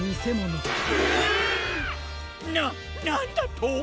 ななんだと！？